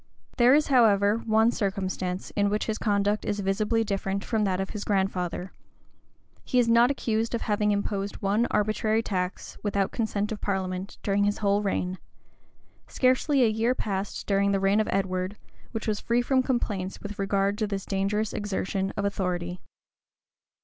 There is, however, one circumstance in which his conduct is visibly different from that of his grandfather: he is not accused of having imposed one arbitrary tax, without consent of parliament, during his whole reign;[] scarcely a year passed during the reign of Edward, which was free from complaints with regard to this dangerous exertion of authority.